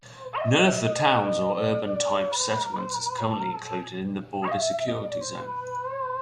None of towns or urban-type settlements is currently included in the border security zone.